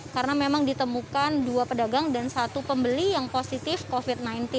karena memang ditemukan dua pedagang dan satu pembeli yang positif covid sembilan belas